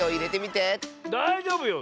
だいじょうぶよ。